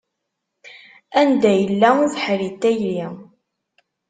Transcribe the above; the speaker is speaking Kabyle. Anda yella ubeḥri n tayri.